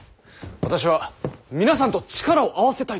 私は皆さんと力を合わせたいと。